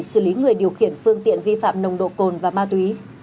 xử lý người điều khiển phương tiện vi phạm nồng độ cồn và ma túy